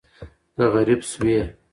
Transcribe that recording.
که غریب شوې